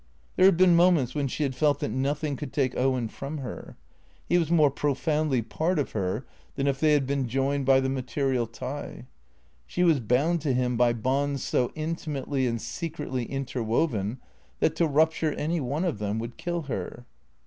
There had been moments when she had felt that noth ing could take Owen from her. He was more profoundly part THECEEATOES 237 of her than if they had been joined by the material tie. She was bound to him by bonds so intimately and secretly interwoven that to rupture any one of them would kill her.